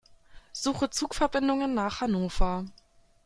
Suche Zugverbindungen nach Hannover.